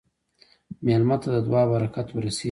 مېلمه ته د دعا برکت ورسېږه.